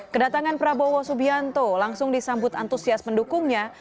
kedatangan prabowo subianto langsung disambut antusias pendukungnya